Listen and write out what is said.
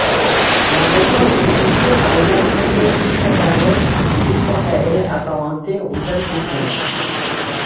La région était peuplée par les Amérindiens Piscataway ou Pascatae, apparentés aux Algonquins.